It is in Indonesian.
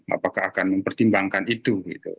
apakah akan mempertimbangkan itu